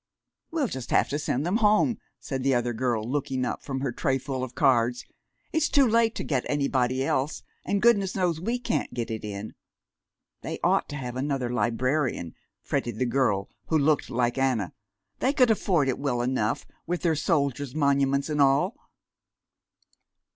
"We'll just have to send them home," said the other girl, looking up from her trayful of cards. "It's too late to get anybody else, and goodness knows we can't get it in!" "They ought to have another librarian," fretted the girl who looked like Anna. "They could afford it well enough, with their Soldiers' Monuments and all."